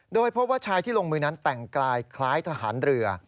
โดยพบว่าชายที่ลงมือนั้นแต่งกายคล้ายทหารเรือ